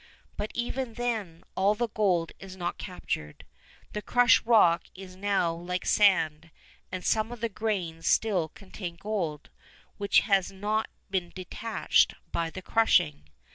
But even then all the gold is not captured. The crushed rock is now like sand, and some of the grains still contain gold, which has not been detached by the crushing.